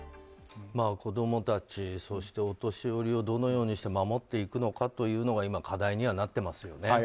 子供たち、そしてお年寄りをどのようにして守っていくのかというのが今、課題にはなってますよね。